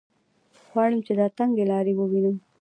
غواړم چې دا تنګې لارې ووینم.